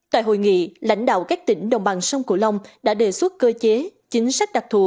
tại hội nghị lãnh đạo các tỉnh đồng bằng sông cổ long đã đề xuất cơ chế chính sách đặc thù